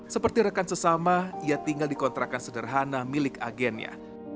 seperti rekan sesama ia tinggal dikontrakan sederhana milik agennya